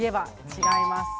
違います。